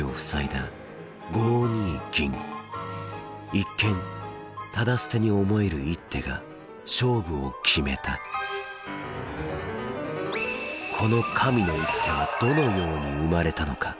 一見タダ捨てに思える一手が勝負を決めたこの神の一手はどのように生まれたのか？